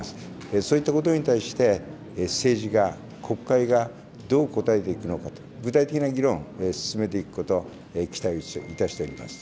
そういったことに対して、政治が、国会がどう応えていくのかと、具体的な議論、進めていくこと、期待いたしております。